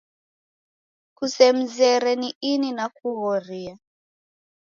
Kusemzere ni ini nakughoria.